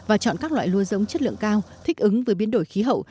và chọn các loại lúa giống chất lượng cao thích ứng với biến đổi khí hậu